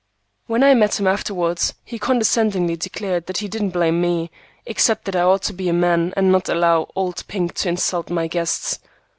When I met him afterwards he condescendingly declared that he didn't blame me, except that I ought to be a man and not allow "old Pink" to insult my guests.